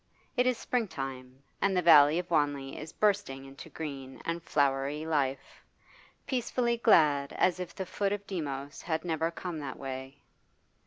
It is springtime, and the valley of Wanley is bursting into green and flowery life, peacefully glad as if the foot of Demos had never come that way.